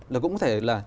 là cũng có thể là